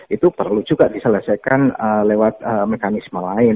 itu perlu juga diselesaikan lewat mekanisme lain